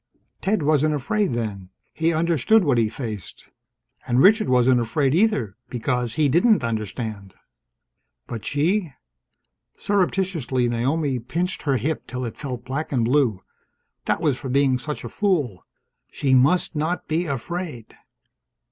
Ted wasn't afraid, then. He understood what he faced. And Richard wasn't afraid, either, because he didn't understand. But she? Surreptitiously Naomi pinched her hip till it felt black and blue. That was for being such a fool. She must not be afraid!